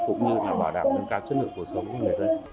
cũng như là bảo đảm nâng cao chất lượng cuộc sống của người dân